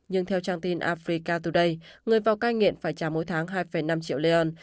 nhưng theo trang tin africa today người vào ca nghiện phải trả mỗi tháng hai năm triệu leon